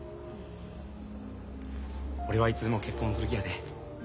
俺はいつでも結婚する気やで。